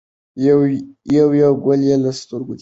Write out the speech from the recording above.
یو یو ګل یې له سترګو تېر کړ.